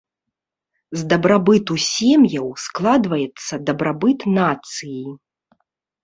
З дабрабыту сем'яў складваецца дабрабыт нацыі.